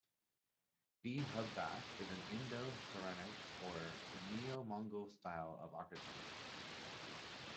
B. Hubback in an Indo-Saracenic or Neo-Mughal style of architecture.